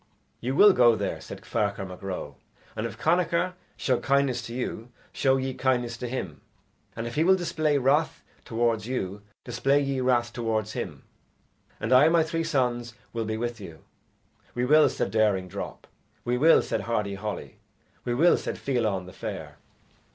"You will go there," said Ferchar Mac Ro; "and if Connachar show kindness to you, show ye kindness to him; and if he will display wrath towards you display ye wrath towards him, and I and my three sons will be with you." "We will," said Daring Drop. "We will," said Hardy Holly. "We will," said Fiallan the Fair.